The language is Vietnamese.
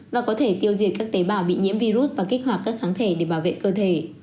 và có thể tiêu diệt các tế bào bị nhiễm virus và kích hoạt các kháng thể để bảo vệ cơ thể